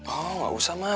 oh gak usah ma